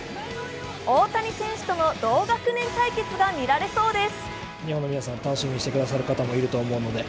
大谷選手との同学年対決が見られそうです。